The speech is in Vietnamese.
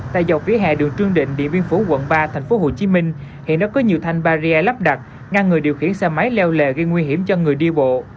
tại dọc vỉa hè đường trương định điện viên phủ quận ba thành phố hồ chí minh hiện đó có nhiều thanh baria lắp đặt ngăn người điều khiển xe máy leo lề gây nguy hiểm cho người đi bộ